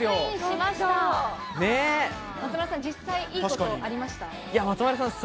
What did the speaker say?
実際、いいことありました？